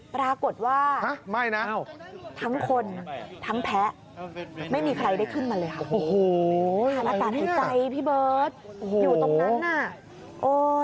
ปรากฏว่าทั้งคนทั้งแพ้ไม่มีใครได้ขึ้นมาเลยค่ะทานอากาศให้ใจพี่เบิร์ตอยู่ตรงนั้นอ่ะโอ้โห